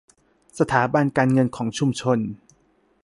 สถาบันการเงินของชุมชน